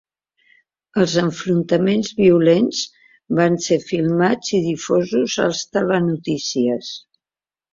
Els enfrontaments violents van ser filmats i difosos als telenotícies.